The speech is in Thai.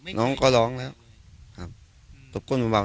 มันน่าจะปกติบ้านเรามีก้านมะยมไหม